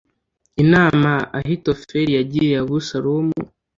inama ahitofeli yagiriye abusalomu